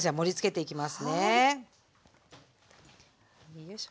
よいしょ。